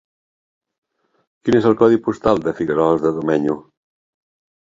Quin és el codi postal de Figueroles de Domenyo?